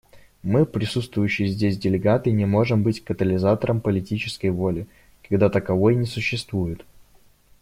Мы, присутствующие здесь делегаты, не можем быть катализатором политической воли, когда таковой не существует.